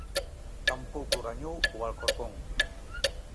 Tampouco gañou o Alcorcón.